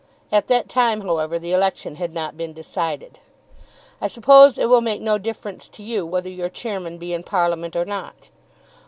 At that time, however, the election had not been decided. "I suppose it will make no difference to you whether your chairman be in Parliament or not?"